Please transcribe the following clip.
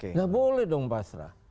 nggak boleh dong pasrah